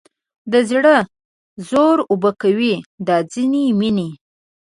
د زړه زور اوبه کوي دا ځینې مینې